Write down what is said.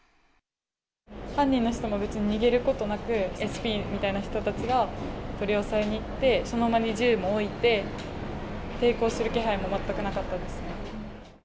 犯人の人も別に逃げることなく、ＳＰみたいな人たちが取り押さえに行って、その場に銃も置いて、抵抗する気配も全くなかったです。